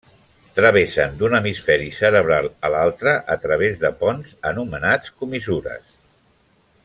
Travessen d'un hemisferi cerebral a l'altre a través de ponts anomenats comissures.